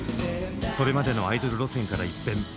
それまでのアイドル路線から一変。